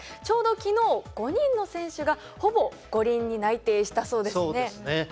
ちょうど昨日５人の選手がほぼ五輪に内定したそうですね。